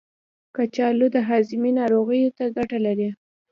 کچالو د هاضمې ناروغیو ته ګټه لري.